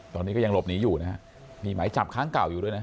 ตอนนี้ก็ยังหลบหนีอยู่นะฮะมีหมายจับค้างเก่าอยู่ด้วยนะ